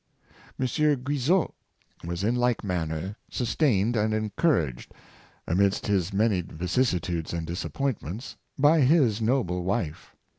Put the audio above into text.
M. Guizot was in like manner sustained and encour aged, amidst his many vicissitudes and disappointments, by his noble wife.